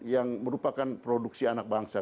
yang merupakan produksi anak bangsa